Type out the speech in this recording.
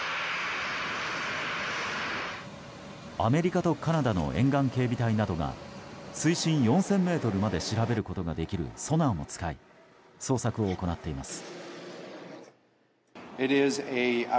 アメリカとカナダの沿岸警備隊などが水深４０００ｍまで調べることができるソナーも使い捜索を行っています。